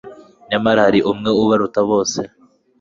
Nyamara hari umwe ubaruta bose.